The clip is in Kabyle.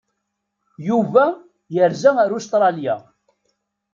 Yuba yerza ar Ustṛalya.